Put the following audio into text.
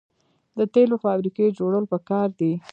د تیلو فابریکې جوړول پکار دي.